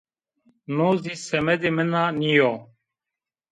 No zî semedê min a nîyo